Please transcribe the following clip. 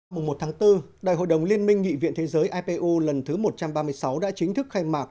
mùng một tháng bốn đại hội đồng liên minh nghị viện thế giới ipu lần thứ một trăm ba mươi sáu đã chính thức khai mạc